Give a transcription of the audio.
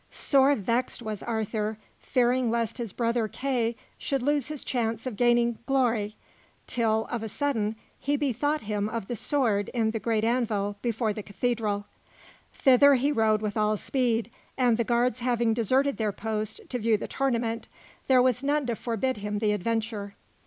Sore vexed was Arthur, fearing lest his brother Kay should lose his chance of gaining glory, till, of a sudden, he bethought him of the sword in the great anvil before the cathedral. Thither he rode with all speed, and the guards having deserted their post to view the tournament, there was none to forbid him the adventure.